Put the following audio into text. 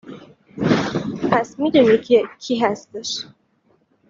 پس میدونی که کی هستش